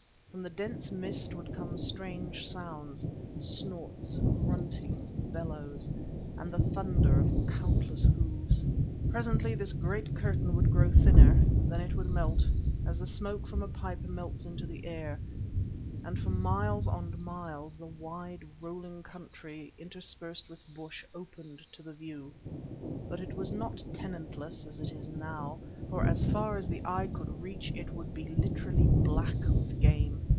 From the dense mist would come strange sounds—snorts, gruntings, bellows, and the thunder of countless hoofs. Presently this great curtain would grow thinner, then it would melt, as the smoke from a pipe melts into the air, and for miles on miles the wide rolling country interspersed with bush opened to the view. But it was not tenantless as it is now, for as far as the eye could reach it would be literally black with game.